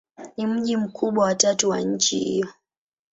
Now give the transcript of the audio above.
Ni mji mkubwa wa tatu wa nchi hiyo.